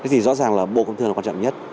thì rõ ràng là bộ công thương là quan trọng nhất